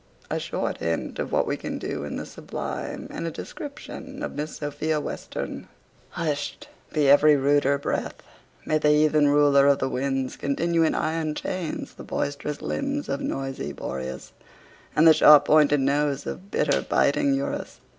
A short hint of what we can do in the sublime, and a description of Miss Sophia Western. Hushed be every ruder breath. May the heathen ruler of the winds confine in iron chains the boisterous limbs of noisy Boreas, and the sharp pointed nose of bitter biting Eurus.